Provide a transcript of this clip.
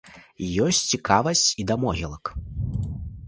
Ёсць цікавасць і да могілак.